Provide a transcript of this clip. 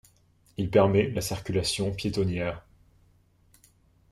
Il permet la circulation piétonnière.